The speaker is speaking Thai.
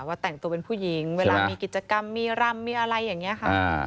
ว่าแต่งตัวเป็นผู้หญิงเวลามีกิจกรรมมีรำมีอะไรอย่างนี้ค่ะ